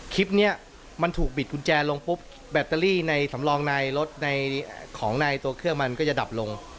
คลิปนี้มันถูกบิดกุญแจลงปุ๊บแบตเตอรี่ในสำรองในรถในของในตัวเครื่องมันก็จะดับลง